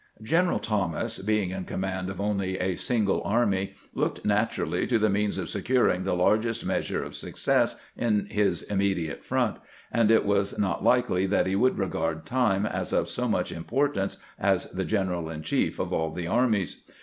General Thomas, being in command of only a single army, looked, naturally to the means of securing the largest measure of success in his immediate front, and it was not likely that he would regard time as of so much importance as the general in chief of all the armies.